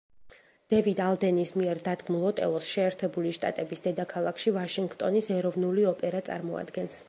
დევიდ ალდენის მიერ დადგმულ „ოტელოს“ შეერთებული შტატების დედაქალაქში ვაშინგტონის ეროვნული ოპერა წარმოადგენს.